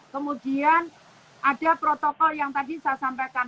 kemudian ada protokol yang tadi saya sampaikan